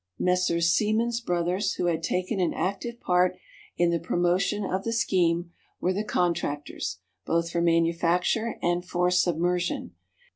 Messrs. Siemens Brothers, who had taken an active part in the promotion of the scheme, were the contractors, both for manufacture and for submersion.